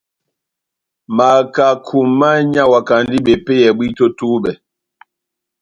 Makaku mányawakandi bepéyɛ bwíto ó tubɛ.